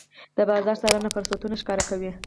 د بازار څارنه فرصتونه ښکاره کوي.